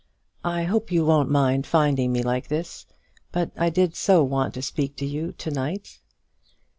"I hope you won't mind finding me like this, but I did so want to speak to you to night."